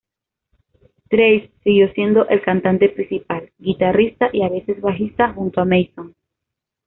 Trace siguió siendo el cantante principal, guitarrista y a veces bajista junto a Mason.